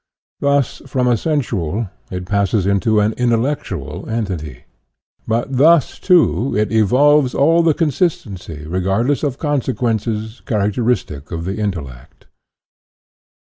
Thus, from a sensual, it passes into an intellectual, entity; but thus, too, it evolves all the consistency, regardless of consequences, characteristic of the intellect.